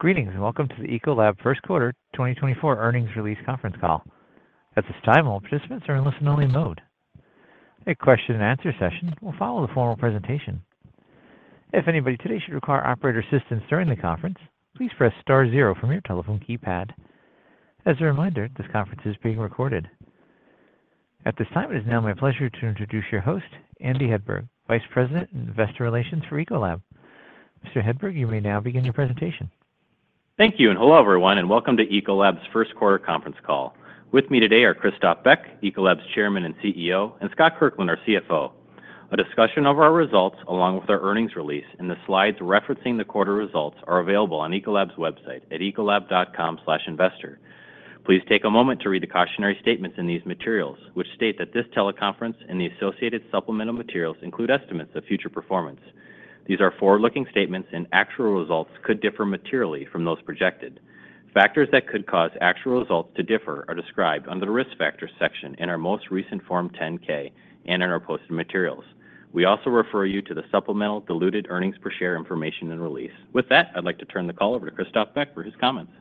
Greetings, and welcome to the Ecolab first quarter 2024 earnings release conference call. At this time, all participants are in listen-only mode. A question-and-answer session will follow the formal presentation. If anybody today should require operator assistance during the conference, please press star zero from your telephone keypad. As a reminder, this conference is being recorded. At this time, it is now my pleasure to introduce your host, Andy Hedberg, Vice President in Investor Relations for Ecolab. Mr. Hedberg, you may now begin your presentation. Thank you, and hello, everyone, and welcome to Ecolab's first quarter conference call. With me today are Christophe Beck, Ecolab's Chairman and CEO, and Scott Kirkland, our CFO. A discussion of our results, along with our earnings release and the slides referencing the quarter results, are available on Ecolab's website at ecolab.com/investor. Please take a moment to read the cautionary statements in these materials, which state that this teleconference and the associated supplemental materials include estimates of future performance. These are forward-looking statements, and actual results could differ materially from those projected. Factors that could cause actual results to differ are described under the Risk Factors section in our most recent Form 10-K and in our posted materials. We also refer you to the supplemental diluted earnings per share information and release. With that, I'd like to turn the call over to Christophe Beck for his comments.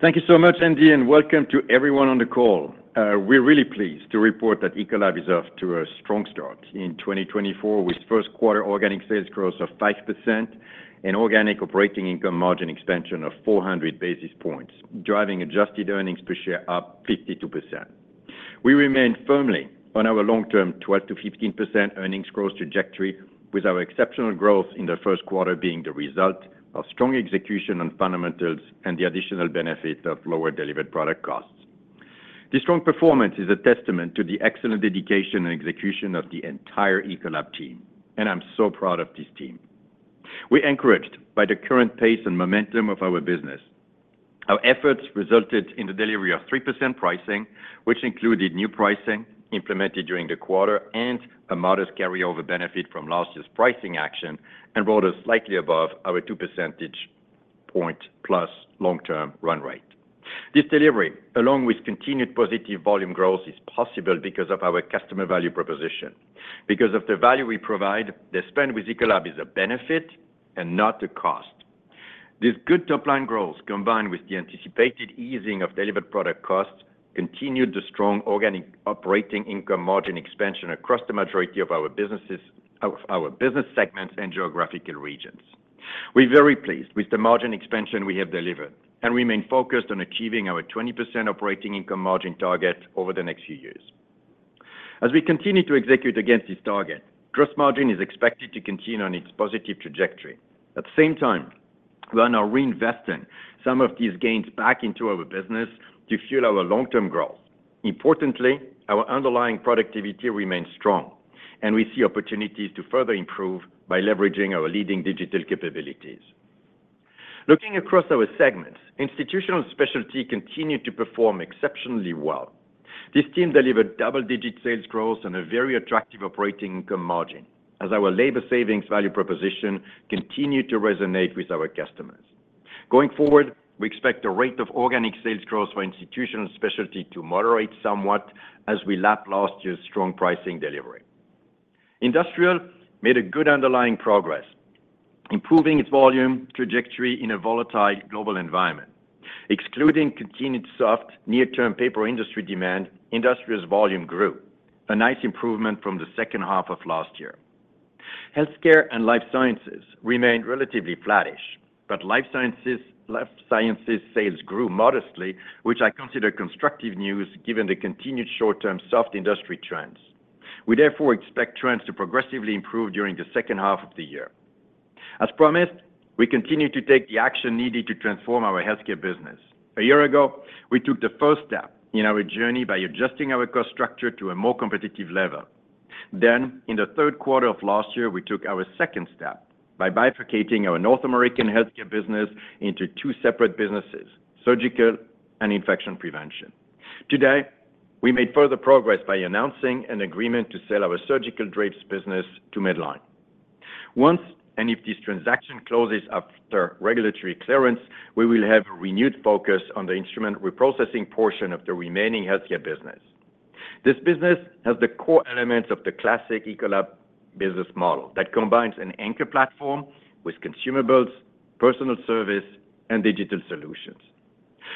Thank you so much, Andy, and welcome to everyone on the call. We're really pleased to report that Ecolab is off to a strong start in 2024, with first quarter organic sales growth of 5% and organic operating income margin expansion of 400 basis points, driving adjusted earnings per share up 52%. We remain firmly on our long-term 12%-15% earnings growth trajectory, with our exceptional growth in the first quarter being the result of strong execution on fundamentals and the additional benefit of lower delivered product costs. This strong performance is a testament to the excellent dedication and execution of the entire Ecolab team, and I'm so proud of this team. We're encouraged by the current pace and momentum of our business. Our efforts resulted in the delivery of 3% pricing, which included new pricing implemented during the quarter and a modest carryover benefit from last year's pricing action and brought us slightly above our 2 percentage point plus long-term run rate. This delivery, along with continued positive volume growth, is possible because of our customer value proposition. Because of the value we provide, the spend with Ecolab is a benefit and not a cost. This good top-line growth, combined with the anticipated easing of delivered product costs, continued the strong organic operating income margin expansion across the majority of our businesses, of our business segments and geographical regions. We're very pleased with the margin expansion we have delivered and remain focused on achieving our 20% operating income margin target over the next few years. As we continue to execute against this target, gross margin is expected to continue on its positive trajectory. At the same time, we are now reinvesting some of these gains back into our business to fuel our long-term growth. Importantly, our underlying productivity remains strong, and we see opportunities to further improve by leveraging our leading digital capabilities. Looking across our segments, Institutional & Specialty continued to perform exceptionally well. This team delivered double-digit sales growth and a very attractive operating income margin as our labor savings value proposition continued to resonate with our customers. Going forward, we expect the rate of organic sales growth for Institutional & Specialty to moderate somewhat as we lap last year's strong pricing delivery. Industrial made a good underlying progress, improving its volume trajectory in a volatile global environment. Excluding continued soft near-term paper industry demand, Industrial's volume grew, a nice improvement from the second half of last year. Healthcare and Life Sciences remained relatively flattish, but Life Sciences, Life Sciences sales grew modestly, which I consider constructive news given the continued short-term soft industry trends. We therefore expect trends to progressively improve during the second half of the year. As promised, we continue to take the action needed to transform our healthcare business. A year ago, we took the first step in our journey by adjusting our cost structure to a more competitive level. Then, in the third quarter of last year, we took our second step by bifurcating our North American healthcare business into two separate businesses: Surgical and Infection Prevention. Today, we made further progress by announcing an agreement to sell our surgical drapes business to Medline. Once, and if this transaction closes after regulatory clearance, we will have a renewed focus on the instrument reprocessing portion of the remaining healthcare business. This business has the core elements of the classic Ecolab business model that combines an anchor platform with consumables, personal service, and digital solutions.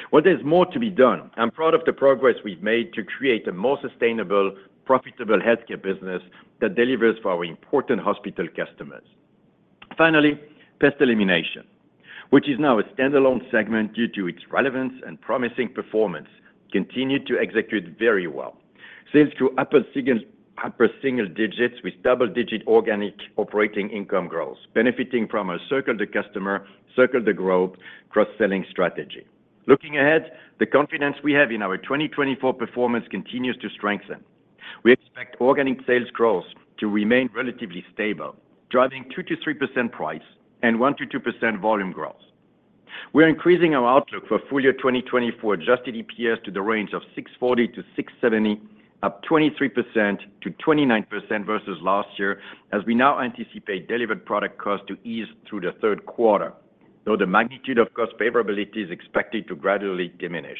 While there's more to be done, I'm proud of the progress we've made to create a more sustainable, profitable healthcare business that delivers for our important hospital customers. Finally, Pest Elimination, which is now a standalone segment due to its relevance and promising performance, continued to execute very well. Sales grew upper single digits with double-digit organic operating income growth, benefiting from our Circle the Customer, Circle the Growth cross-selling strategy. Looking ahead, the confidence we have in our 2024 performance continues to strengthen. We expect organic sales growth to remain relatively stable, driving 2%-3% price and 1%-2% volume growth. We're increasing our outlook for full year 2024 adjusted EPS to the range of $6.40-$6.70, up 23%-29% versus last year, as we now anticipate delivered product costs to ease through the third quarter, though the magnitude of cost favorability is expected to gradually diminish.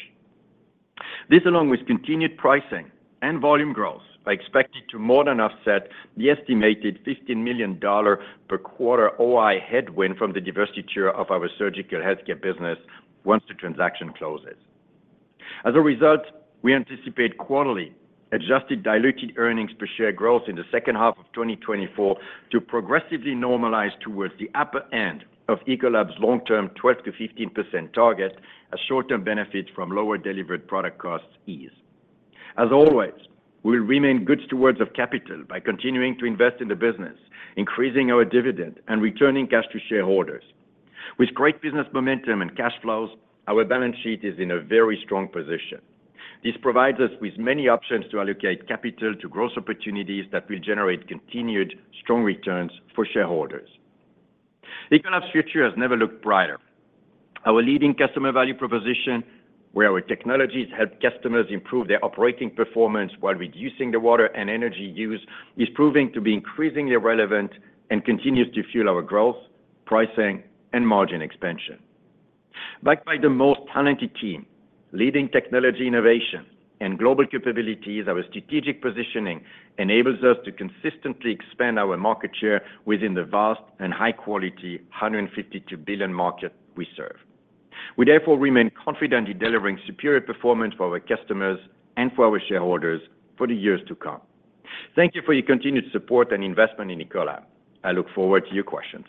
This, along with continued pricing and volume growth, are expected to more than offset the estimated $15 million per quarter OI headwind from the divestiture of our surgical healthcare business once the transaction closes. As a result, we anticipate quarterly adjusted diluted earnings per share growth in the second half of 2024 to progressively normalize towards the upper end of Ecolab's long-term 12%-15% target, a short-term benefit from lower delivered product costs ease. As always, we will remain good stewards of capital by continuing to invest in the business, increasing our dividend, and returning cash to shareholders. With great business momentum and cash flows, our balance sheet is in a very strong position. This provides us with many options to allocate capital to growth opportunities that will generate continued strong returns for shareholders. Ecolab's future has never looked brighter. Our leading customer value proposition, where our technologies help customers improve their operating performance while reducing the water and energy use, is proving to be increasingly relevant and continues to fuel our growth, pricing, and margin expansion. Backed by the most talented team, leading technology innovation, and global capabilities, our strategic positioning enables us to consistently expand our market share within the vast and high-quality $152 billion market we serve. We therefore remain confident in delivering superior performance for our customers and for our shareholders for the years to come. Thank you for your continued support and investment in Ecolab. I look forward to your questions.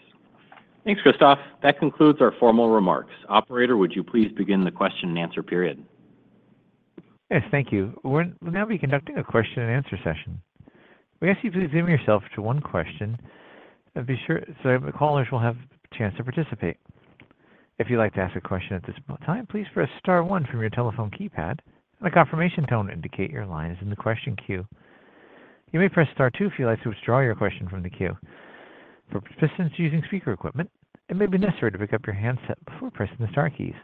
Thanks, Christophe. That concludes our formal remarks. Operator, would you please begin the question and answer period? Yes, thank you. We'll now be conducting a question and answer session. May I ask you to please limit yourself to one question, and be sure, so the callers will have a chance to participate. If you'd like to ask a question at this time, please press star one from your telephone keypad, and a confirmation tone to indicate your line is in the question queue. You may press star two if you'd like to withdraw your question from the queue. For participants using speaker equipment, it may be necessary to pick up your handset before pressing the star keys.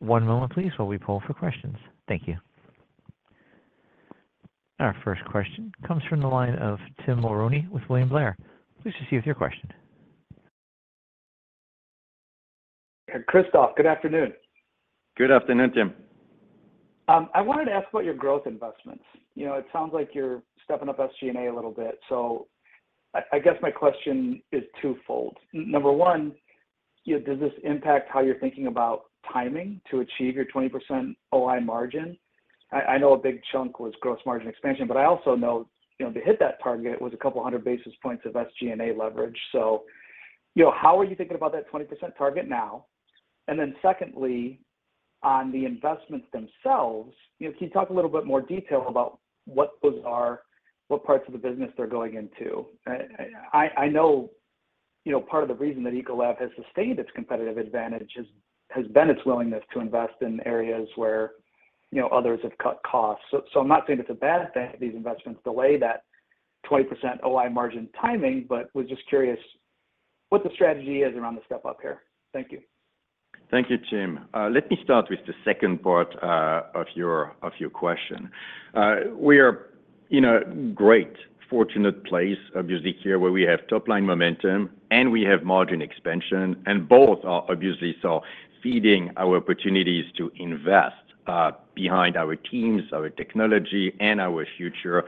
One moment, please, while we pull for questions. Thank you. Our first question comes from the line of Tim Mulrooney with William Blair. Please proceed with your question. Christophe, good afternoon. Good afternoon, Tim. I wanted to ask about your growth investments. You know, it sounds like you're stepping up SG&A a little bit. So I guess my question is twofold. Number one, you know, does this impact how you're thinking about timing to achieve your 20% OI margin? I know a big chunk was gross margin expansion, but I also know, you know, to hit that target, it was a couple of hundred basis points of SG&A leverage. So, you know, how are you thinking about that 20% target now? And then secondly, on the investments themselves, you know, can you talk a little bit more detail about what those are, what parts of the business they're going into? I know, you know, part of the reason that Ecolab has sustained its competitive advantage is, has been its willingness to invest in areas where, you know, others have cut costs. So I'm not saying it's a bad thing that these investments delay that 20% OI margin timing, but was just curious what the strategy is around the step-up here. Thank you. Thank you, Tim. Let me start with the second part of your question. We are in a great, fortunate place, obviously, here, where we have top-line momentum, and we have margin expansion, and both are obviously so feeding our opportunities to invest behind our teams, our technology, and our future,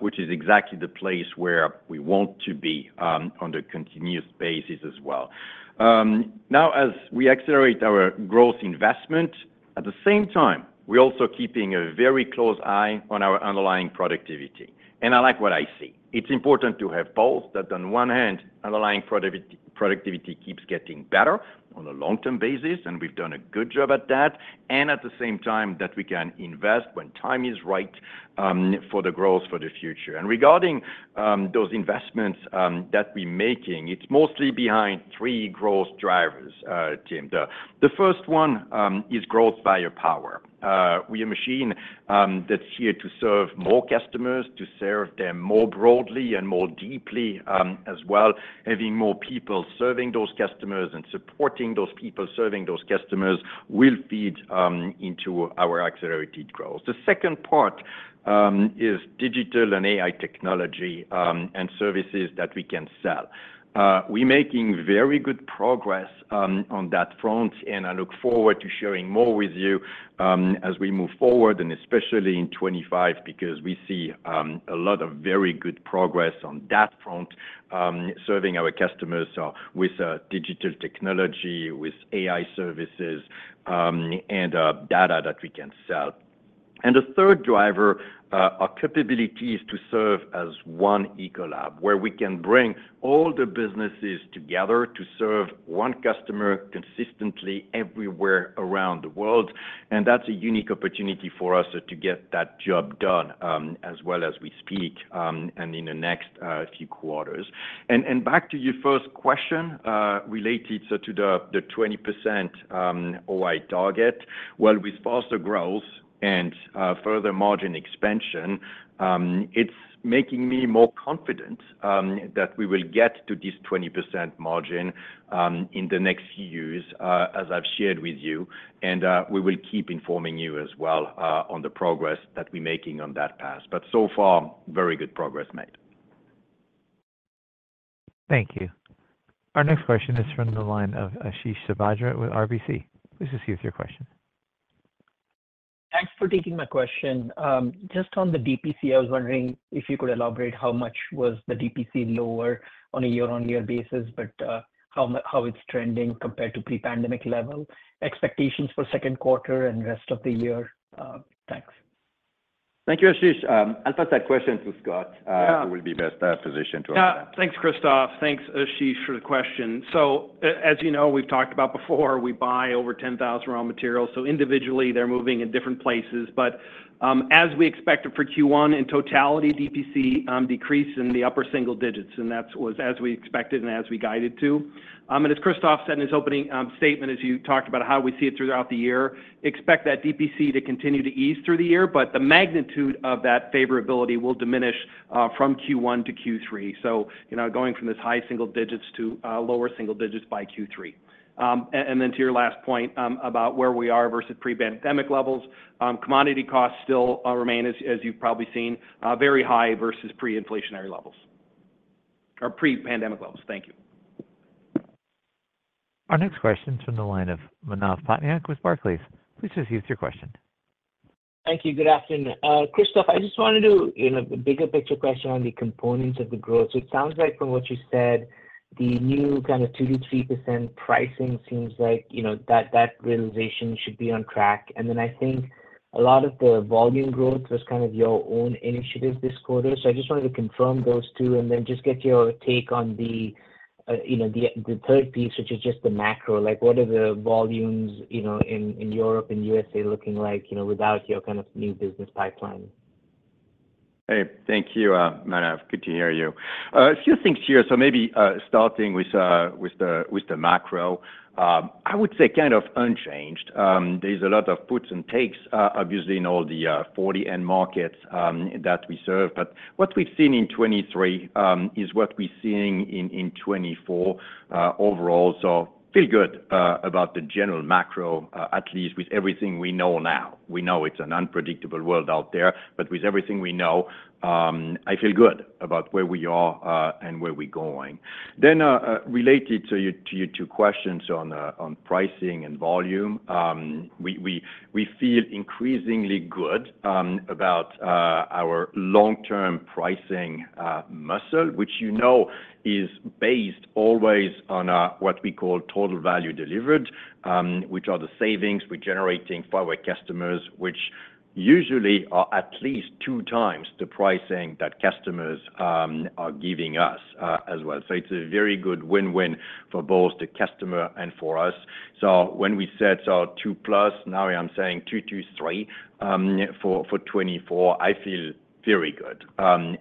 which is exactly the place where we want to be on a continuous basis as well. Now, as we accelerate our growth investment, at the same time, we're also keeping a very close eye on our underlying productivity, and I like what I see. It's important to have both, that on one hand, underlying productivity keeps getting better on a long-term basis, and we've done a good job at that, and at the same time, that we can invest when time is right for the growth for the future. Regarding those investments that we're making, it's mostly behind three growth drivers, Tim. The first one is growth firepower. We're a machine that's here to serve more customers, to serve them more broadly and more deeply, as well, having more people serving those customers and supporting those people serving those customers, will feed into our accelerated growth. The second part is digital and AI technology and services that we can sell. We're making very good progress on that front, and I look forward to sharing more with you as we move forward, and especially in 2025, because we see a lot of very good progress on that front serving our customers with digital technology, with AI services, and data that we can sell. And the third driver, our capability is to serve as One Ecolab, where we can bring all the businesses together to serve one customer consistently everywhere around the world, and that's a unique opportunity for us to get that job done, as we speak, and in the next few quarters. And, and back to your first question, related to the 20% OI target, well, with faster growth and further margin expansion, it's making me more confident that we will get to this 20% margin in the next few years, as I've shared with you, and we will keep informing you as well on the progress that we're making on that path. But so far, very good progress made.... Thank you. Our next question is from the line of Ashish Sabadra with RBC. Please just give us your question. Thanks for taking my question. Just on the DPC, I was wondering if you could elaborate how much was the DPC lower on a year-on-year basis, but how it's trending compared to pre-pandemic level, expectations for second quarter and rest of the year? Thanks. Thank you, Ashish. I'll pass that question to Scott, who will be best positioned to answer that. Thanks, Christophe. Thanks, Ashish, for the question. So as you know, we've talked about before, we buy over 10,000 raw materials, so individually, they're moving in different places. But, as we expected for Q1, in totality, DPC, decreased in the upper single digits, and that was as we expected and as we guided to. And as Christophe said in his opening statement, as you talked about how we see it throughout the year, expect that DPC to continue to ease through the year, but the magnitude of that favorability will diminish, from Q1 to Q3. So, you know, going from this high single digits to, lower single digits by Q3. And then to your last point, about where we are versus pre-pandemic levels, commodity costs still remain as you've probably seen, very high versus pre-inflationary levels or pre-pandemic levels. Thank you. Our next question is from the line of Manav Patnaik with Barclays. Please just give us your question. Thank you. Good afternoon. Christophe, I just wanted to, you know, bigger picture question on the components of the growth. So it sounds like from what you said, the new kind of 2%-3% pricing seems like, you know, that, that realization should be on track. And then I think a lot of the volume growth was kind of your own initiative this quarter. So I just wanted to confirm those two and then just get your take on the, you know, the, the third piece, which is just the macro. Like, what are the volumes, you know, in, in Europe and U.S.A looking like, you know, without your kind of new business pipeline? Hey, thank you, Manav. Good to hear you. A few things here. So maybe starting with the macro. I would say kind of unchanged. There's a lot of puts and takes, obviously in all the 40 end markets that we serve. But what we've seen in 2023 is what we're seeing in 2024 overall. So feel good about the general macro, at least with everything we know now. We know it's an unpredictable world out there, but with everything we know, I feel good about where we are and where we're going. Then, related to your two questions on pricing and volume, we feel increasingly good about our long-term pricing muscle, which, you know, is based always on what we call total value delivered, which are the savings we're generating for our customers, which usually are at least two times the pricing that customers are giving us, as well. So it's a very good win-win for both the customer and for us. So when we set our 2+, now I'm saying two-three, for 2024, I feel very good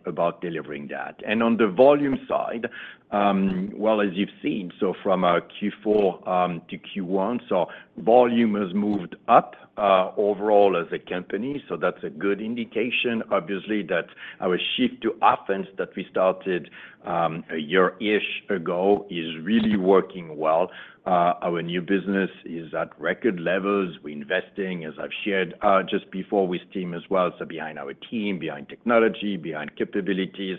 about delivering that. And on the volume side, well, as you've seen, so from our Q4 to Q1, so volume has moved up overall as a company. So that's a good indication, obviously, that our shift to offense that we started a year-ish ago is really working well. Our new business is at record levels. We're investing, as I've shared, just before with team as well, so behind our team, behind technology, behind capabilities,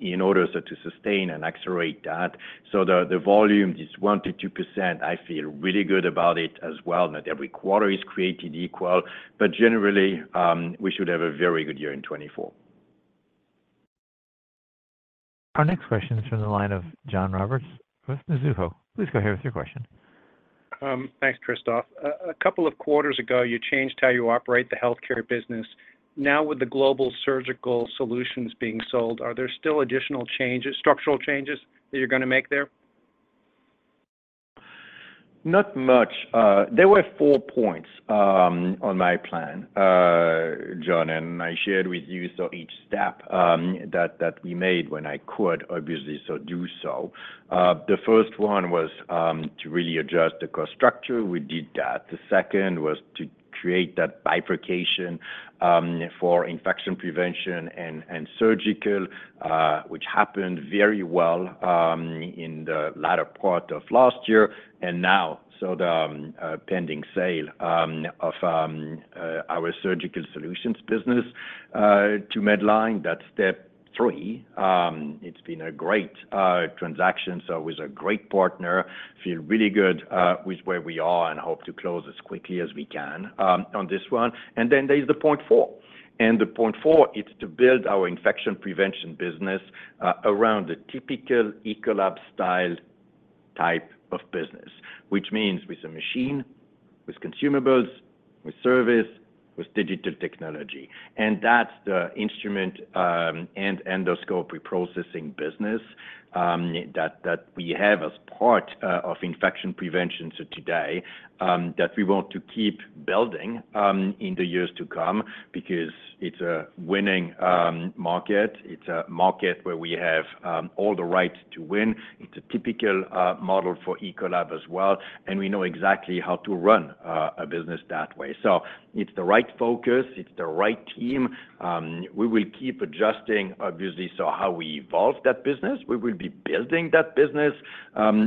in order so to sustain and accelerate that. So the volume is 1%-2%. I feel really good about it as well. Not every quarter is created equal, but generally, we should have a very good year in 2024. Our next question is from the line of John Roberts with Mizuho. Please go ahead with your question. Thanks, Christophe. A couple of quarters ago, you changed how you operate the healthcare business. Now, with the Global Surgical Solutions being sold, are there still additional changes, structural changes that you're going to make there? Not much. There were four points on my plan, John, and I shared with you, so each step that we made when I could obviously so do so. The first one was to really adjust the cost structure. We did that. The second was to create that bifurcation for infection prevention and surgical, which happened very well in the latter part of last year. And now, so the pending sale of our surgical solutions business to Medline, that's step three. It's been a great transaction so with a great partner. Feel really good with where we are and hope to close as quickly as we can on this one. And then there's the point four. And the point four is to build our infection prevention business around the typical Ecolab style type of business, which means with a machine, with consumables, with service, with digital technology. And that's the instrument and endoscope reprocessing business that we have as part of infection prevention so today that we want to keep building in the years to come because it's a winning market. It's a market where we have all the right to win. It's a typical model for Ecolab as well, and we know exactly how to run a business that way. So it's the right focus, it's the right team. We will keep adjusting, obviously, so how we evolve that business. We will be building that business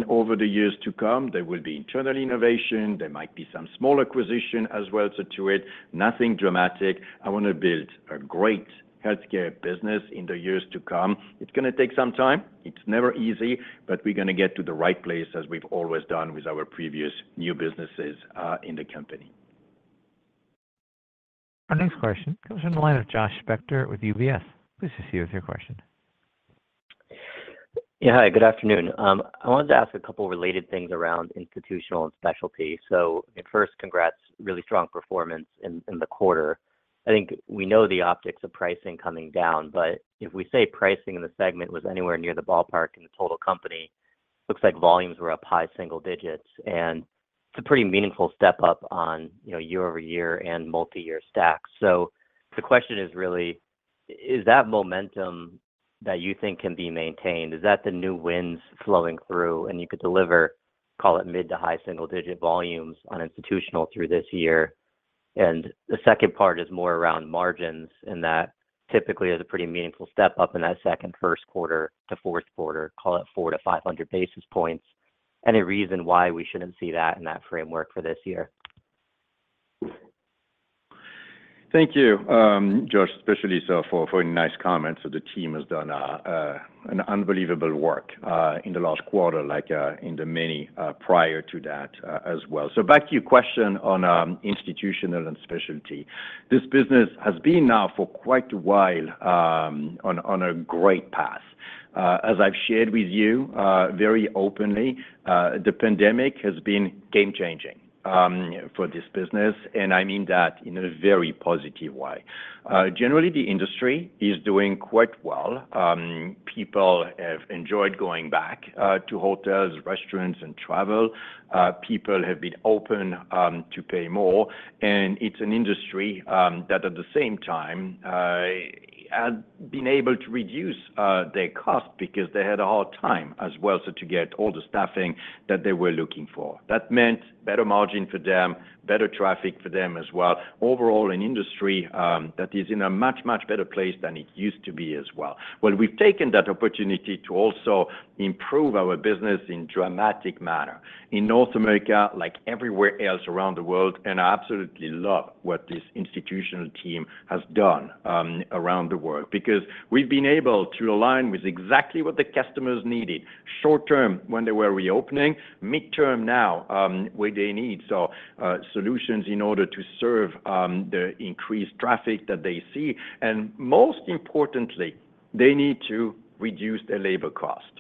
over the years to come. There will be internal innovation. There might be some small acquisition as well, so too, it, nothing dramatic. I wanna build a great healthcare business in the years to come. It's gonna take some time. It's never easy, but we're gonna get to the right place, as we've always done with our previous new businesses in the company. Our next question comes from the line of Josh Spector with UBS. Please proceed with your question. Yeah, hi, good afternoon. I wanted to ask a couple related things around Institutional and Specialty. So at first, congrats, really strong performance in, in the quarter. I think we know the optics of pricing coming down, but if we say pricing in the segment was anywhere near the ballpark in the total company, looks like volumes were up high single digits, and it's a pretty meaningful step up on, you know, year-over-year and multi-year stacks. So the question is really, is that momentum that you think can be maintained, is that the new wins flowing through and you could deliver, call it, mid- to high-single-digit volumes on Institutional through this year? And the second part is more around margins, and that typically is a pretty meaningful step up in that first quarter to fourth quarter, call it 400-500 basis points. Any reason why we shouldn't see that in that framework for this year? Thank you, Josh, especially so for the nice comments. So the team has done an unbelievable work in the last quarter, like in the many prior to that, as well. So back to your question on Institutional and Specialty. This business has been now for quite a while on a great path. As I've shared with you very openly, the pandemic has been game changing for this business, and I mean that in a very positive way. Generally, the industry is doing quite well. People have enjoyed going back to hotels, restaurants, and travel. People have been open to pay more, and it's an industry that at the same time had been able to reduce their cost because they had a hard time as well, so to get all the staffing that they were looking for. That meant better margin for them, better traffic for them as well. Overall, an industry that is in a much, much better place than it used to be as well. Well, we've taken that opportunity to also improve our business in dramatic manner. In North America, like everywhere else around the world, and I absolutely love what this institutional team has done around the world, because we've been able to align with exactly what the customers needed: short term, when they were reopening, mid-term, now, where they need solutions in order to serve the increased traffic that they see, and most importantly, they need to reduce their labor cost.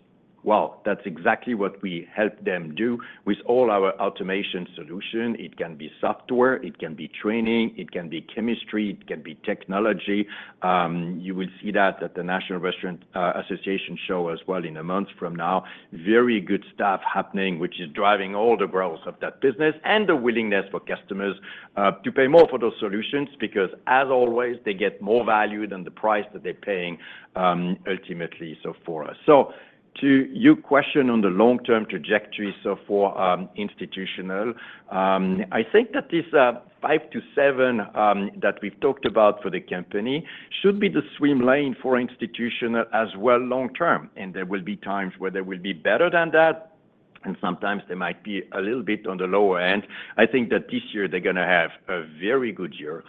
Well, that's exactly what we help them do with all our automation solution. It can be software, it can be training, it can be chemistry, it can be technology. You will see that at the National Restaurant Association show as well in a month from now. Very good stuff happening, which is driving all the growth of that business and the willingness for customers to pay more for those solutions, because as always, they get more value than the price that they're paying, ultimately, so for us. So to your question on the long-term trajectory, so for Institutional, I think that this five-seven that we've talked about for the company should be the swim lane for Institutional as well long term, and there will be times where they will be better than that, and sometimes they might be a little bit on the lower end. I think that this year they're gonna have a very good year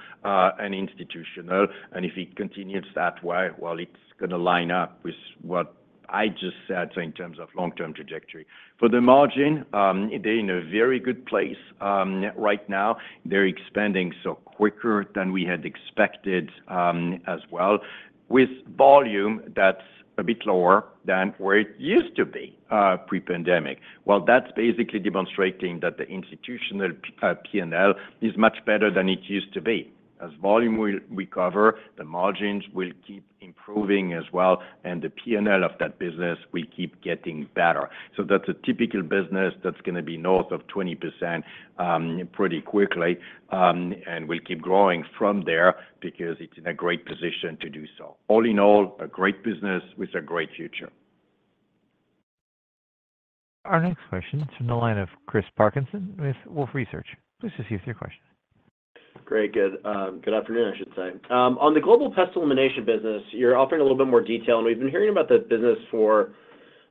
in Institutional, and if it continues that way, well, it's gonna line up with what I just said so in terms of long-term trajectory. For the margin, they're in a very good place. Right now, they're expanding, so quicker than we had expected, as well, with volume that's a bit lower than where it used to be, pre-pandemic. Well, that's basically demonstrating that the institutional, P&L is much better than it used to be. As volume will recover, the margins will keep improving as well, and the P&L of that business will keep getting better. So that's a typical business that's gonna be north of 20%, pretty quickly, and will keep growing from there because it's in a great position to do so. All in all, a great business with a great future. Our next question is from the line of Chris Parkinson with Wolfe Research. Please proceed with your question. Great, good. Good afternoon, I should say. On the global pest elimination business, you're offering a little bit more detail, and we've been hearing about that business for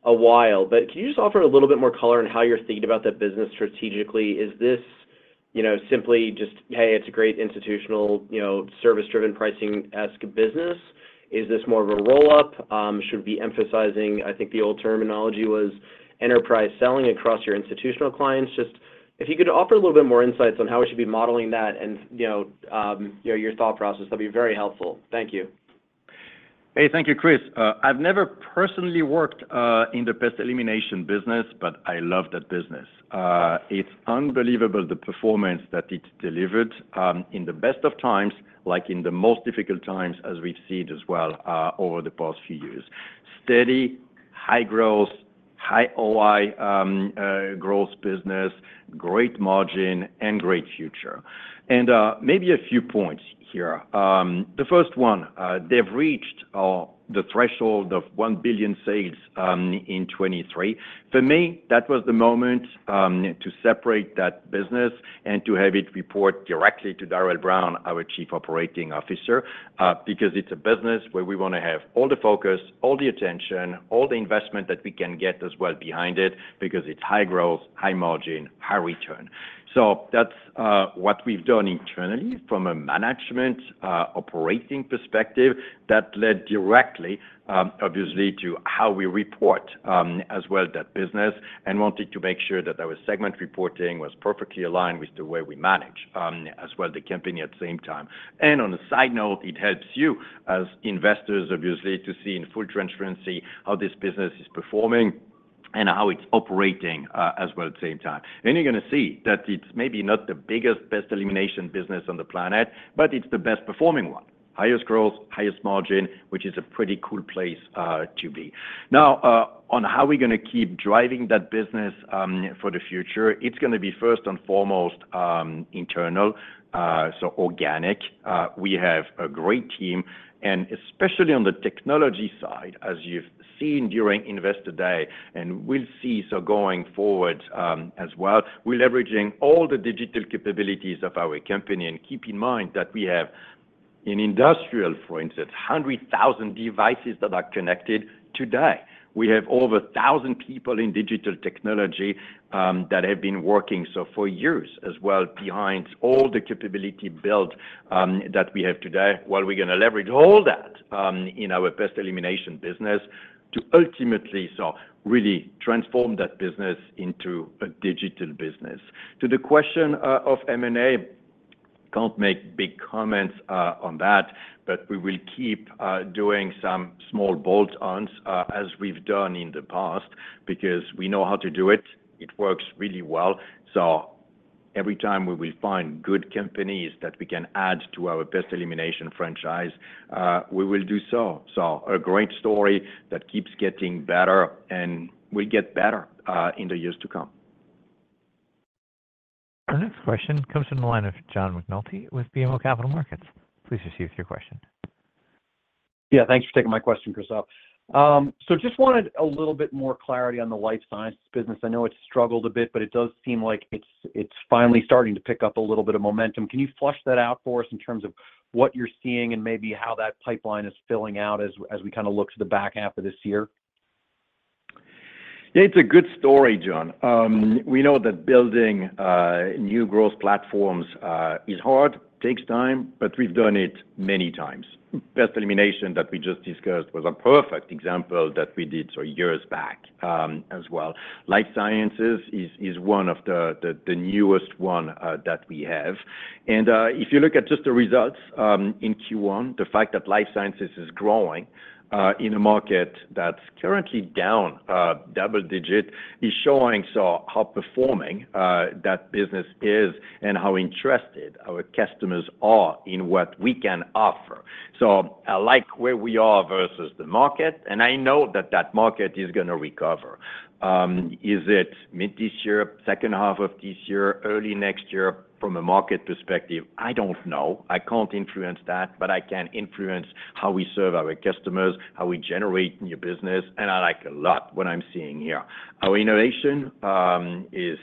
a while, but can you just offer a little bit more color on how you're thinking about that business strategically? Is this, you know, simply just, hey, it's a great institutional, you know, service-driven, pricing-esque business? Is this more of a roll-up? Should we be emphasizing... I think the old terminology was enterprise selling across your institutional clients. Just if you could offer a little bit more insights on how we should be modeling that and, you know, your thought process, that'd be very helpful. Thank you. Hey, thank you, Chris. I've never personally worked in the pest elimination business, but I love that business. It's unbelievable the performance that it delivered in the best of times, like in the most difficult times, as we've seen as well over the past few years. Steady, high growth, high OI growth business, great margin, and great future. And maybe a few points here. The first one, they've reached the threshold of $1 billion sales in 2023. For me, that was the moment to separate that business and to have it report directly to Darrell Brown, our Chief Operating Officer, because it's a business where we wanna have all the focus, all the attention, all the investment that we can get as well behind it, because it's high growth, high margin, high return. So that's what we've done internally from a management operating perspective that led directly obviously to how we report as well that business and wanted to make sure that our segment reporting was perfectly aligned with the way we manage as well the company at the same time. On a side note, it helps you, as investors, obviously, to see in full transparency how this business is performing and how it's operating as well at the same time. You're gonna see that it's maybe not the biggest, pest Elimination business on the planet, but it's the best performing one. Highest growth, highest margin, which is a pretty cool place to be. Now on how we're gonna keep driving that business for the future, it's gonna be first and foremost internal so organic. We have a great team, and especially on the technology side, as you've seen during Investor Day, and we'll see, so going forward, as well. We're leveraging all the digital capabilities of our company. Keep in mind that we have, in Industrial, for instance, 100,000 devices that are connected today. We have over 1,000 people in digital technology, that have been working, so for years as well, behind all the capability build, that we have today. Well, we're gonna leverage all that, in our Pest Elimination business to ultimately so really transform that business into a digital business. To the question of M&A, can't make big comments on that, but we will keep doing some small bolt-ons, as we've done in the past because we know how to do it. It works really well. So every time we will find good companies that we can add to our Pest Elimination franchise, we will do so. So a great story that keeps getting better and will get better, in the years to come. Our next question comes from the line of John McNulty with BMO Capital Markets. Please proceed with your question. Yeah, thanks for taking my question, Christophe. So just wanted a little bit more clarity on the life sciences business. I know it's struggled a bit, but it does seem like it's, it's finally starting to pick up a little bit of momentum. Can you flesh that out for us in terms of what you're seeing and maybe how that pipeline is filling out as we kinda look to the back half of this year? Yeah, it's a good story, John. We know that building new growth platforms is hard, takes time, but we've done it many times. Pest elimination that we just discussed was a perfect example that we did so years back, as well. Life sciences is one of the newest one that we have. If you look at just the results in Q1, the fact that life sciences is growing in a market that's currently down double-digit is showing so how performing that business is and how interested our customers are in what we can offer. So I like where we are versus the market, and I know that that market is gonna recover. Is it mid this year, second half of this year, early next year? From a market perspective, I don't know. I can't influence that, but I can influence how we serve our customers, how we generate new business, and I like a lot what I'm seeing here. Our innovation is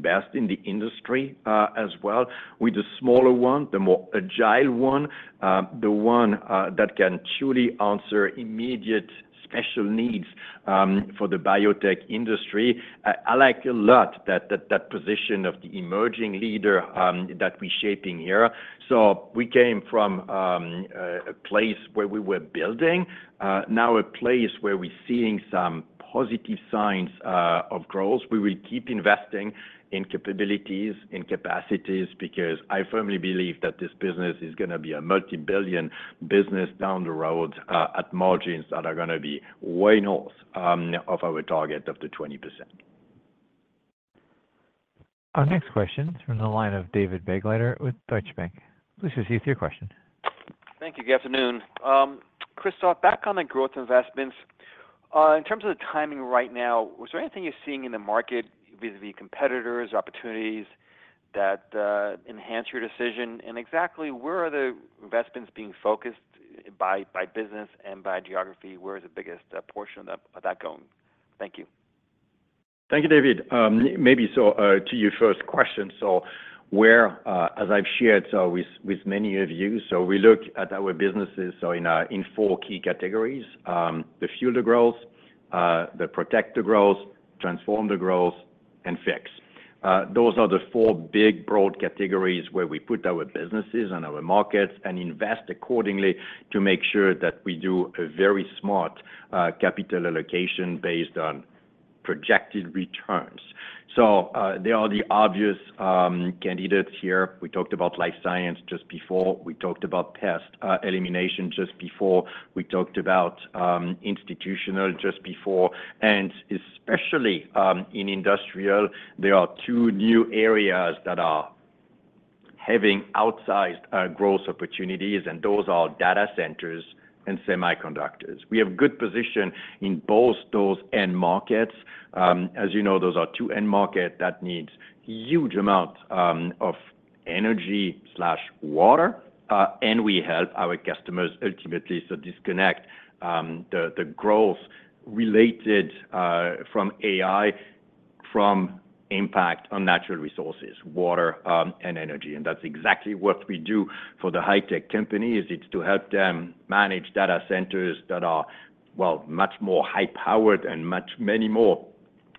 best in the industry as well, with the smaller one, the more agile one, the one that can truly answer immediate special needs for the biotech industry. I like a lot that position of the emerging leader that we're shaping here. So we came from a place where we were building, now a place where we're seeing some positive signs of growth. We will keep investing in capabilities, in capacities, because I firmly believe that this business is gonna be a multi-billion business down the road at margins that are gonna be way north of our target of the 20%. Our next question is from the line of David Begleiter with Deutsche Bank. Please proceed with your question. Thank you. Good afternoon. Christophe, back on the growth investments, in terms of the timing right now, is there anything you're seeing in the market, be it the competitors, opportunities, that enhance your decision? And exactly where are the investments being focused by business and by geography? Where is the biggest portion of that going? Thank you. Thank you, David. Maybe so, to your first question, so where, as I've shared with many of you, we look at our businesses in four key categories: fuel the growth, protect the growth, transform the growth, and fix. Those are the four big, broad categories where we put our businesses and our markets and invest accordingly to make sure that we do a very smart capital allocation based on projected returns. There are the obvious candidates here. We talked about Life Sciences just before. We talked about Pest Elimination just before. We talked about Institutional just before. And especially in Industrial, there are two new areas that are having outsized growth opportunities, and those are data centers and semiconductors. We have good position in both those end markets. As you know, those are two end market that needs huge amount of energy/water, and we help our customers ultimately to disconnect the growth related from AI from impact on natural resources: water and energy. And that's exactly what we do for the high tech companies. It's to help them manage data centers that are, well, much more high-powered and many more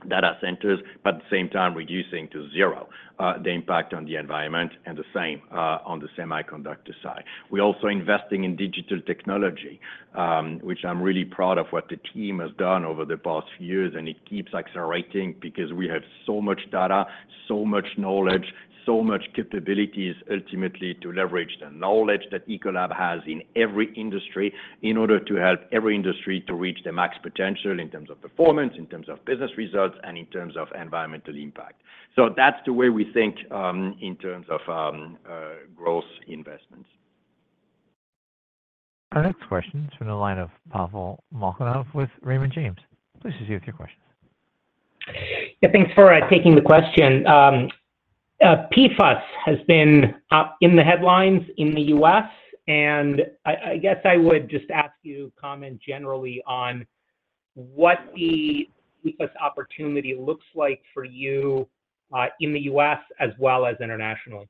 data centers, but at the same time, reducing to zero the impact on the environment and the same on the semiconductor side. We're also investing in digital technology, which I'm really proud of what the team has done over the past few years, and it keeps accelerating because we have so much data, so much knowledge, so much capabilities, ultimately, to leverage the knowledge that Ecolab has in every industry, in order to help every industry to reach their max potential in terms of performance, in terms of business results, and in terms of environmental impact. So that's the way we think in terms of growth investments.... Our next question is from the line of Pavel Molchanov with Raymond James. Please proceed with your question. Yeah, thanks for taking the question. PFAS has been in the headlines in the U.S., and I guess I would just ask you to comment generally on what the PFAS opportunity looks like for you in the U.S. as well as internationally.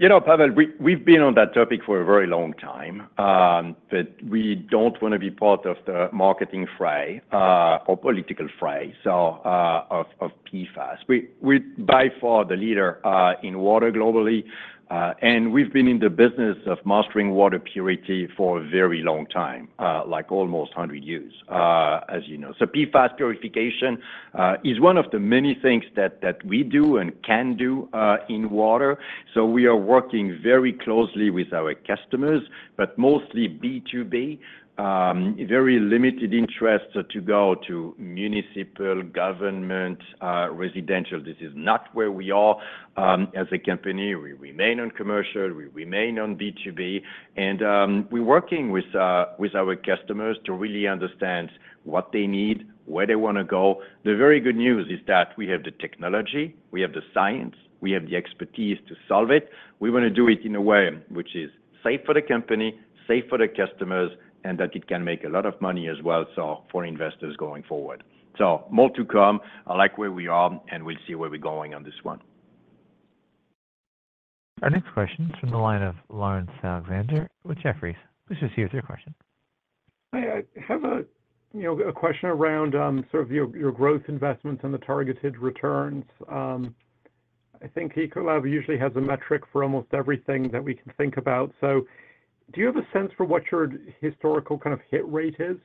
You know, Pavel, we've been on that topic for a very long time, but we don't wanna be part of the marketing fray or political fray, so of PFAS. We're by far the leader in water globally, and we've been in the business of mastering water purity for a very long time, like almost 100 years, as you know. So PFAS purification is one of the many things that we do and can do in water. So we are working very closely with our customers, but mostly B2B. Very limited interest to go to municipal, government, residential. This is not where we are as a company. We remain on commercial, we remain on B2B, and we're working with our customers to really understand what they need, where they wanna go. The very good news is that we have the technology, we have the science, we have the expertise to solve it. We wanna do it in a way which is safe for the company, safe for the customers, and that it can make a lot of money as well, so for investors going forward. More to come. I like where we are, and we'll see where we're going on this one. Our next question is from the line of Laurence Alexander with Jefferies. Please proceed with your question. I have a, you know, a question around sort of your growth investments and the targeted returns. I think Ecolab usually has a metric for almost everything that we can think about. So do you have a sense for what your historical kind of hit rate is,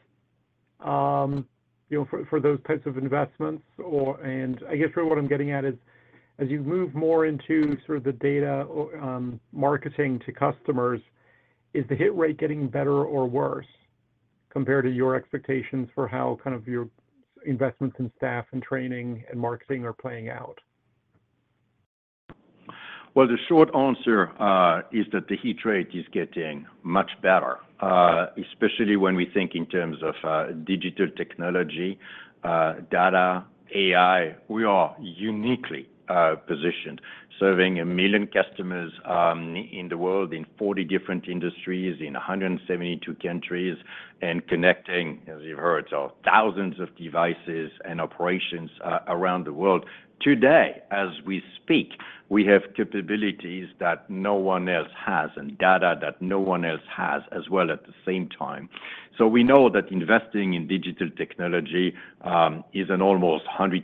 you know, for those types of investments? Or, and I guess what I'm getting at is, as you move more into sort of the data or marketing to customers, is the hit rate getting better or worse compared to your expectations for how kind of your investments in staff, and training, and marketing are playing out? Well, the short answer is that the hit rate is getting much better, especially when we think in terms of digital technology, data, AI. We are uniquely positioned, serving 1 million customers in the world, in 40 different industries, in 172 countries, and connecting, as you've heard, so 1,000s of devices and operations around the world. Today, as we speak, we have capabilities that no one else has and data that no one else has as well at the same time. So we know that investing in digital technology is an almost 100%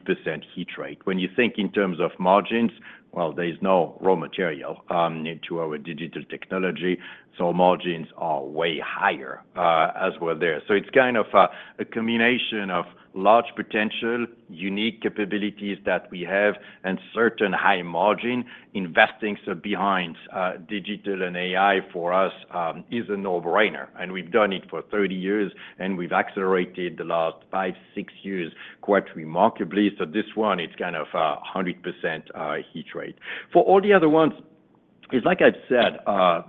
hit rate. When you think in terms of margins, well, there is no raw material to our digital technology, so margins are way higher as well there. So it's kind of a combination of large potential, unique capabilities that we have, and certain high margin investing. So behind, digital and AI for us, is a no-brainer, and we've done it for 30 years, and we've accelerated the last five-six years quite remarkably. So this one, it's kind of a 100% hit rate. For all the other ones, it's like I've said,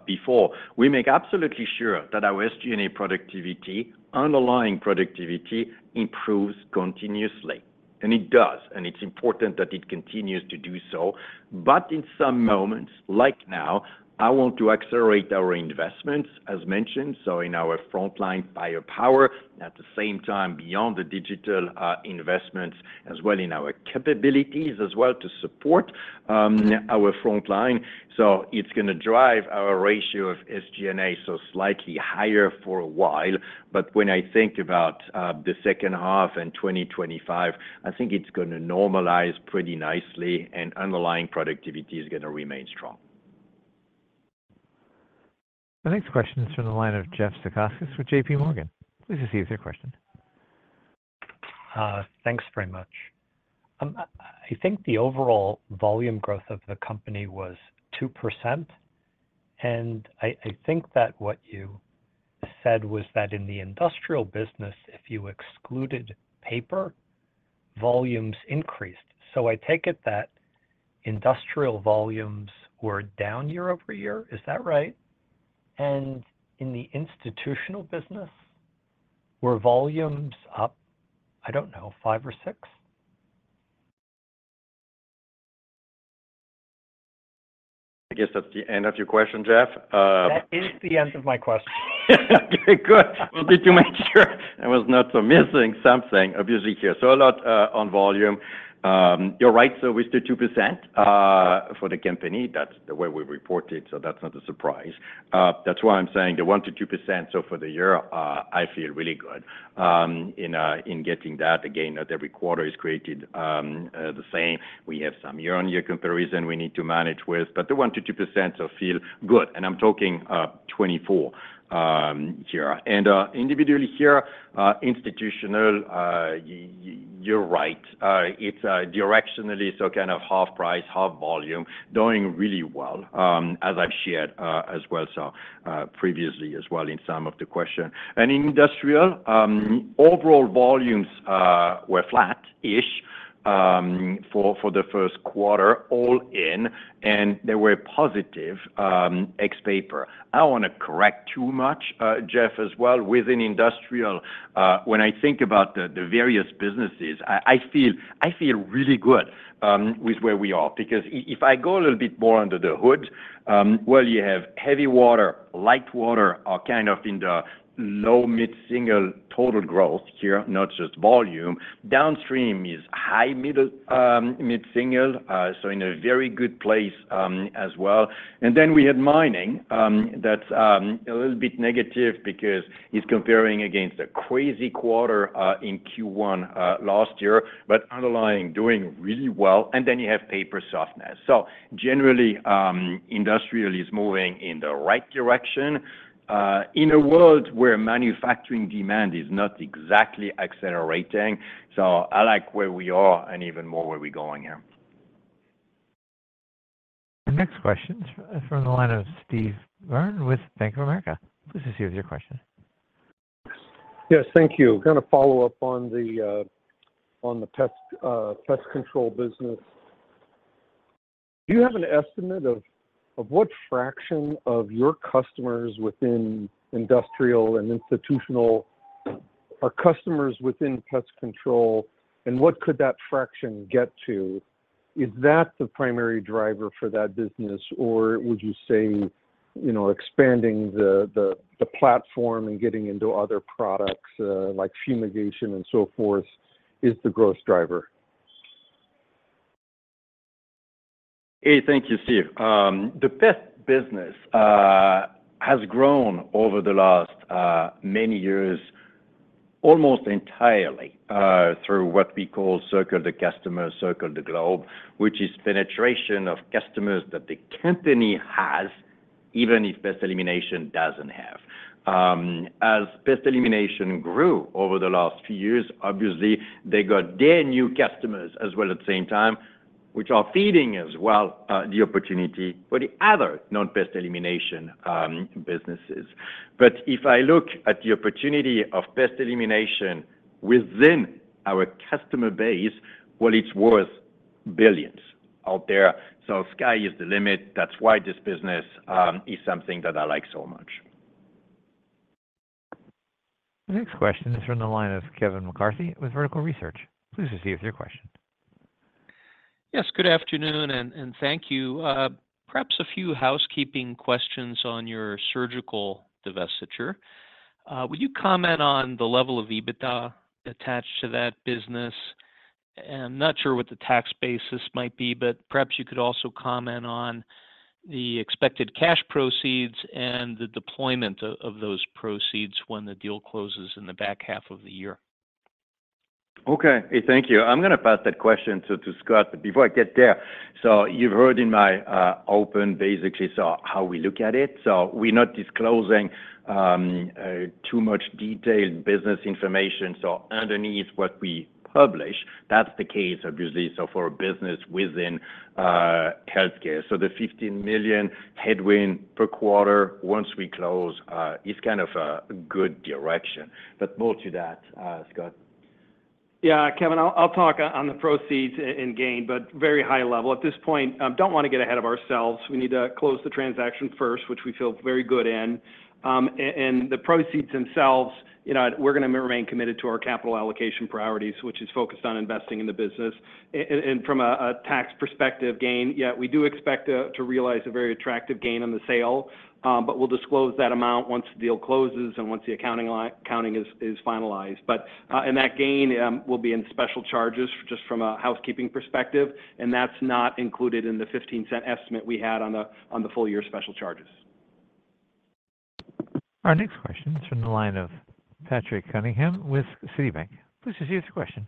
before, we make absolutely sure that our SG&A productivity, underlying productivity, improves continuously. And it does, and it's important that it continues to do so. But in some moments, like now, I want to accelerate our investments, as mentioned, so in our frontline buyer power, at the same time, beyond the digital, investments as well in our capabilities as well to support, our frontline. So it's gonna drive our ratio of SG&A, so slightly higher for a while. But when I think about the second half and 2025, I think it's gonna normalize pretty nicely, and underlying productivity is gonna remain strong. The next question is from the line of Jeffrey Zekauskas with JP Morgan. Please proceed with your question. Thanks very much. I think the overall volume growth of the company was 2%, and I think that what you said was that in the industrial business, if you excluded paper, volumes increased. So I take it that industrial volumes were down year-over-year. Is that right? And in the institutional business, were volumes up, I don't know, five or six? I guess that's the end of your question, Jeff? That is the end of my question. Okay, good. Well, did you make sure I was not missing something obviously here? So a lot on volume. You're right, so it's the 2% for the company. That's the way we report it, so that's not a surprise. That's why I'm saying the 1%-2%. So for the year, I feel really good in getting that. Again, not every quarter is created the same. We have some year-on-year comparison we need to manage with, but the 1%-2% so feel good, and I'm talking 2024 here. And individually here, institutional, you're right. It's directionally, so kind of half price, half volume, doing really well, as I've shared, as well, so previously as well in some of the question. Industrial overall volumes were flat-ish for the first quarter, all in, and they were positive ex paper. I don't wanna correct too much, Jeff, as well. Within Industrial, when I think about the various businesses, I feel really good with where we are. Because if I go a little bit more under the hood, well, you have heavy water, light water are kind of in the low mid-single total growth here, not just volume. Downstream is high middle mid-single, so in a very good place, as well. And then we had mining, that's a little bit negative because it's comparing against a crazy quarter in Q1 last year, but underlying doing really well, and then you have paper softness. Generally, Industrial is moving in the right direction, in a world where manufacturing demand is not exactly accelerating. I like where we are and even more where we're going here. The next question is from the line of Steve Byrne with Bank of America. Please proceed with your question. Yes, thank you. Gonna follow up on the pest control business. Do you have an estimate of what fraction of your customers within industrial and institutional are customers within pest control, and what could that fraction get to? Is that the primary driver for that business, or would you say, you know, expanding the platform and getting into other products, like fumigation and so forth, is the growth driver? Hey, thank you, Steve. The pest business has grown over the last many years, almost entirely through what we call Circle the Customer, Circle the Globe, which is penetration of customers that the company has, even if Pest Elimination doesn't have. As Pest Elimination grew over the last few years, obviously, they got their new customers as well at the same time, which are feeding as well the opportunity for the other non-Pest Elimination businesses. But if I look at the opportunity of Pest Elimination within our customer base, well, it's worth billions out there, so sky is the limit. That's why this business is something that I like so much. The next question is from the line of Kevin McCarthy with Vertical Research. Please proceed with your question. Yes, good afternoon, and thank you. Perhaps a few housekeeping questions on your surgical divestiture. Would you comment on the level of EBITDA attached to that business? And I'm not sure what the tax basis might be, but perhaps you could also comment on the expected cash proceeds and the deployment of those proceeds when the deal closes in the back half of the year. Okay. Thank you. I'm gonna pass that question to Scott, but before I get there, so you've heard in my open, basically, so how we look at it. So we're not disclosing too much detailed business information. So underneath what we publish, that's the case, obviously, so for a business within healthcare. So the $15 million headwind per quarter, once we close, is kind of a good direction, but more to that, Scott. Yeah, Kevin, I'll talk on the proceeds and gain, but very high level. At this point, don't wanna get ahead of ourselves. We need to close the transaction first, which we feel very good in. And the proceeds themselves, you know, we're gonna remain committed to our capital allocation priorities, which is focused on investing in the business. And from a tax perspective gain, yeah, we do expect to realize a very attractive gain on the sale, but we'll disclose that amount once the deal closes and once the accounting is finalized. But, and that gain, will be in special charges just from a housekeeping perspective, and that's not included in the $0.15 estimate we had on the full year special charges. Our next question is from the line of Patrick Cunningham with Citi. Please proceed with your question.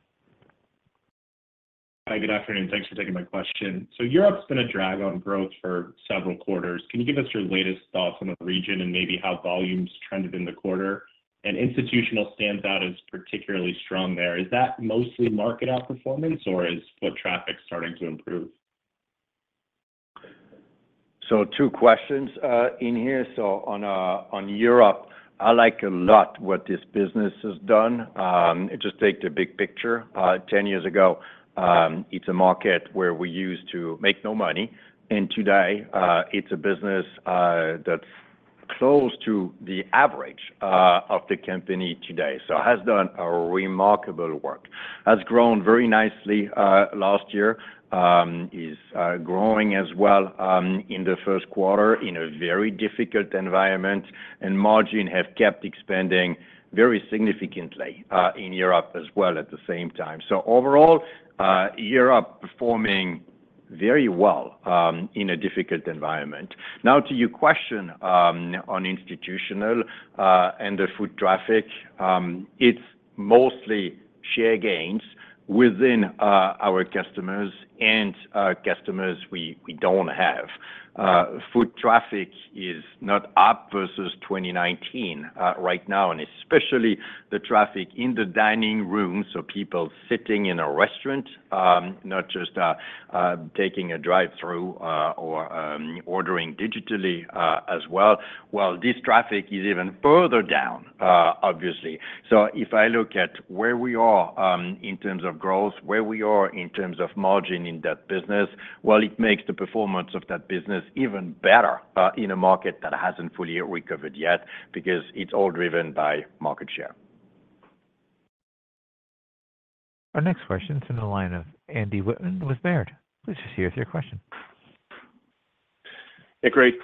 Hi, good afternoon. Thanks for taking my question. So Europe's been a drag on growth for several quarters. Can you give us your latest thoughts on the region and maybe how volumes trended in the quarter? And institutional stands out as particularly strong there. Is that mostly market outperformance, or is foot traffic starting to improve? So two questions in here. So on Europe, I like a lot what this business has done. Just take the big picture. 10 years ago, it's a market where we used to make no money, and today, it's a business that's close to the average of the company today. So has done a remarkable work. Has grown very nicely last year. Is growing as well in the first quarter in a very difficult environment, and margin have kept expanding very significantly in Europe as well at the same time. So overall, Europe performing very well in a difficult environment. Now, to your question on Institutional and the foot traffic, it's mostly share gains within our customers and customers we don't have. Foot traffic is not up versus 2019 right now, and especially the traffic in the dining room, so people sitting in a restaurant, not just taking a drive-through or ordering digitally as well. Well, this traffic is even further down, obviously. So if I look at where we are in terms of growth, where we are in terms of margin in that business, well, it makes the performance of that business even better in a market that hasn't fully recovered yet because it's all driven by market share. Our next question is in the line of Andrew Wittmann with Baird. Please proceed with your question. Hey, great.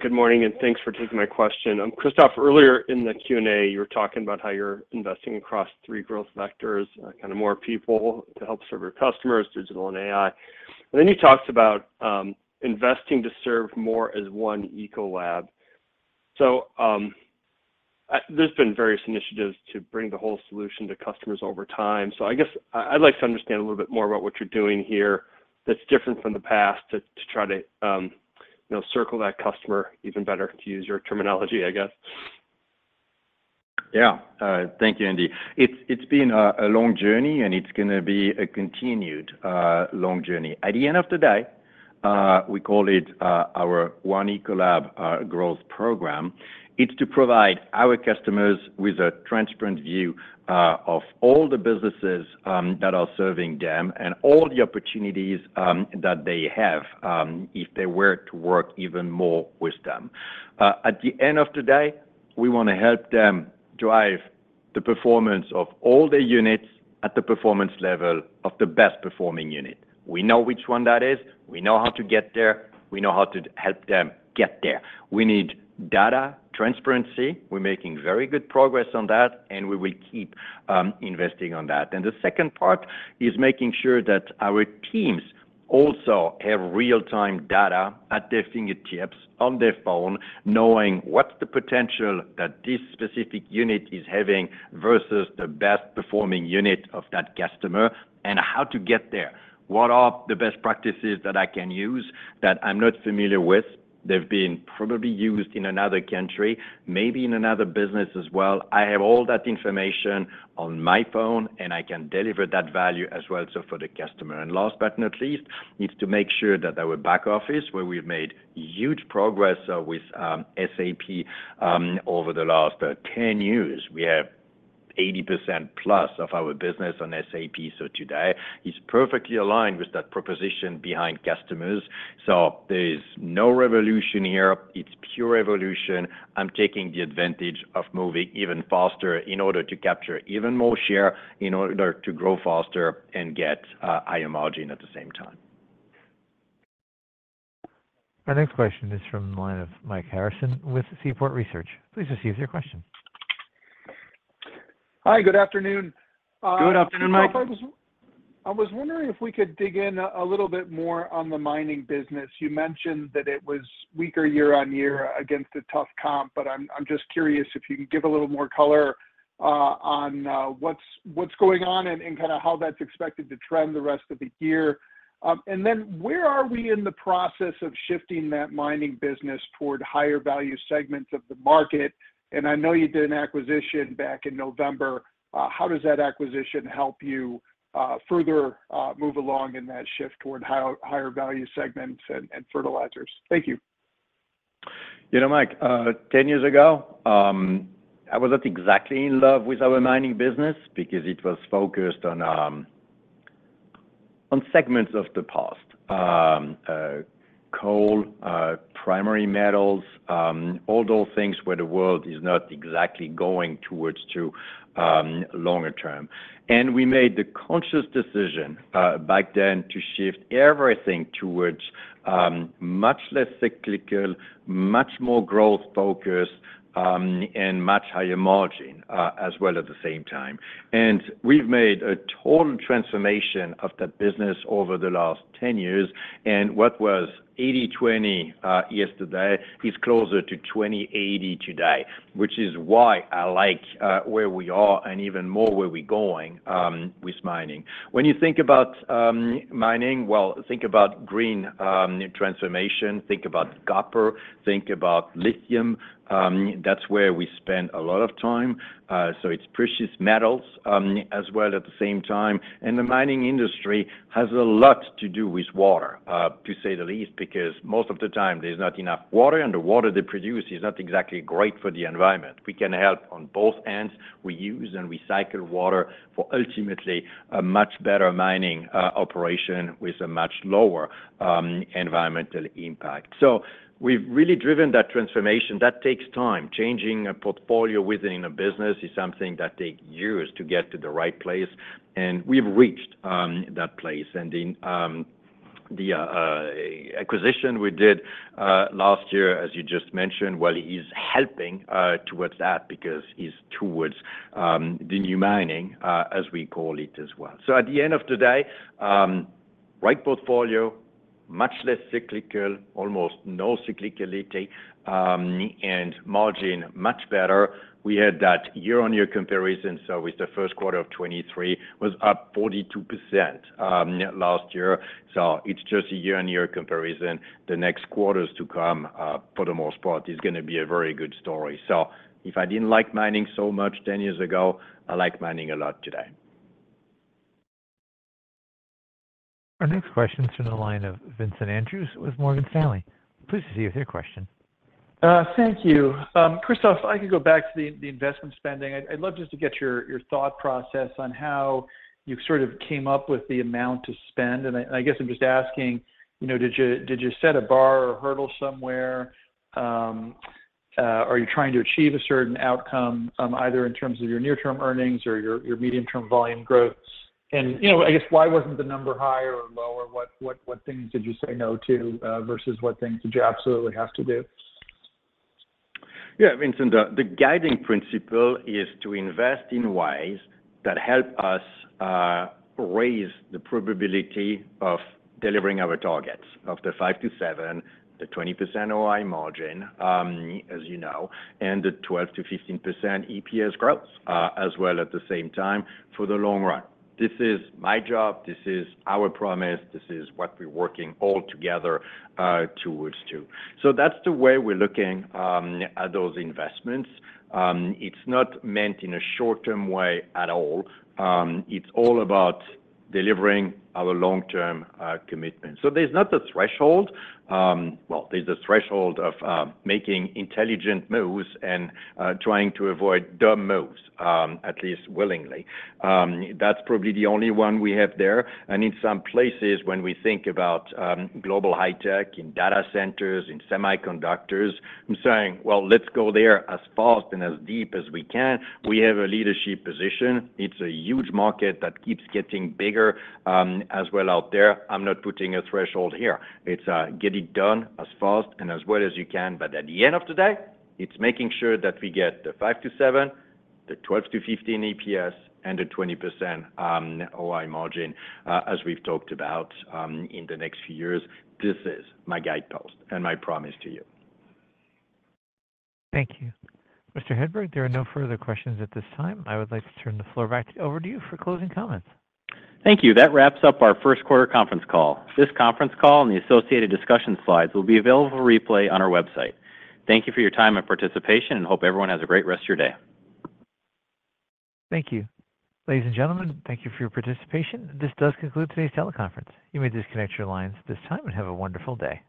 Good morning, and thanks for taking my question. Christophe, earlier in the Q&A, you were talking about how you're investing across three growth vectors, kind of more people to help serve your customers, digital and AI. And then you talked about, investing to serve more as One Ecolab. So, there's been various initiatives to bring the whole solution to customers over time. So I guess I'd like to understand a little bit more about what you're doing here that's different from the past to, to try to, you know, circle that customer even better, to use your terminology, I guess. Yeah. Thank you, Andy. It's been a long journey, and it's gonna be a continued long journey. At the end of the day, we call it our One Ecolab growth program. It's to provide our customers with a transparent view of all the businesses that are serving them and all the opportunities that they have if they were to work even more with them. At the end of the day, we wanna help them drive the performance of all their units at the performance level of the best-performing unit. We know which one that is. We know how to get there. We know how to help them get there. We need data, transparency. We're making very good progress on that, and we will keep investing on that. And the second part is making sure that our teams also have real-time data at their fingertips, on their phone, knowing what's the potential that this specific unit is having versus the best-performing unit of that customer, and how to get there. What are the best practices that I can use that I'm not familiar with? They've been probably used in another country, maybe in another business as well. I have all that information on my phone, and I can deliver that value as well, so for the customer. And last but not least, is to make sure that our back office, where we've made huge progress with SAP over the last 10 years. We have 80% plus of our business on SAP, so today is perfectly aligned with that proposition behind customers. So there is no revolution here. It's pure evolution. I'm taking the advantage of moving even faster in order to capture even more share, in order to grow faster and get higher margin at the same time. Our next question is from the line of Mike Harrison with Seaport Research. Please proceed with your question. Hi, good afternoon. Good afternoon, Mike. I was wondering if we could dig in a little bit more on the mining business. You mentioned that it was weaker year-on-year against a tough comp, but I'm just curious if you could give a little more color on what's going on and kind of how that's expected to trend the rest of the year. And then where are we in the process of shifting that mining business toward higher value segments of the market? And I know you did an acquisition back in November. How does that acquisition help you further move along in that shift toward higher value segments and fertilizers? Thank you. You know, Mike, 10 years ago, I was not exactly in love with our mining business because it was focused on segments of the past. Coal, primary metals, all those things where the world is not exactly going towards to longer term. And we made the conscious decision, back then to shift everything towards much less cyclical, much more growth focused, and much higher margin, as well at the same time. And we've made a total transformation of that business over the last 10 years, and what was 80/20 yesterday is closer to 20/80 today, which is why I like where we are and even more where we're going with mining. When you think about mining, well, think about green transformation, think about copper, think about lithium. That's where we spend a lot of time. So it's precious metals, as well at the same time. And the mining industry has a lot to do with water, to say the least, because most of the time there's not enough water, and the water they produce is not exactly great for the environment. We can help on both ends. We use and recycle water for ultimately a much better mining operation with a much lower environmental impact. So we've really driven that transformation. That takes time. Changing a portfolio within a business is something that takes years to get to the right place, and we've reached that place. And in the acquisition we did last year, as you just mentioned, well, it is helping towards that because it's towards the new mining, as we call it, as well. So at the end of the day, right portfolio, much less cyclical, almost no cyclicality, and margin, much better. We had that year-on-year comparison, so with the first quarter of 2023 was up 42% last year. So it's just a year-on-year comparison. The next quarters to come, for the most part, is gonna be a very good story. So if I didn't like mining so much 10 years ago, I like mining a lot today. Our next question is from the line of Vincent Andrews with Morgan Stanley. Please proceed with your question. Thank you. Christophe, if I could go back to the investment spending. I'd love just to get your thought process on how you sort of came up with the amount to spend. I guess I'm just asking, you know, did you set a bar or hurdle somewhere, are you trying to achieve a certain outcome, either in terms of your near-term earnings or your medium-term volume growth? You know, I guess why wasn't the number higher or lower? What things did you say no to, versus what things did you absolutely have to do? Yeah, Vincent, the guiding principle is to invest in ways that help us raise the probability of delivering our targets of the five-seven, the 20% OI margin, as you know, and the 12%-15% EPS growth, as well, at the same time, for the long run. This is my job, this is our promise, this is what we're working all together towards to. So that's the way we're looking at those investments. It's not meant in a short-term way at all. It's all about delivering our long-term commitment. So there's not a threshold. Well, there's a threshold of making intelligent moves and trying to avoid dumb moves, at least willingly. That's probably the only one we have there. And in some places, when we think about Global High-Tech in data centers, in semiconductors, I'm saying, "Well, let's go there as fast and as deep as we can." We have a leadership position. It's a huge market that keeps getting bigger, as well out there. I'm not putting a threshold here. It's get it done as fast and as well as you can. But at the end of the day, it's making sure that we get the five-seven, the 12-15 EPS, and the 20% OI margin, as we've talked about, in the next few years. This is my guidepost and my promise to you. Thank you. Mr. Hedberg, there are no further questions at this time. I would like to turn the floor back over to you for closing comments. Thank you. That wraps up our first quarter conference call. This conference call and the associated discussion slides will be available for replay on our website. Thank you for your time and participation, and hope everyone has a great rest of your day. Thank you. Ladies and gentlemen, thank you for your participation. This does conclude today's teleconference. You may disconnect your lines at this time, and have a wonderful day.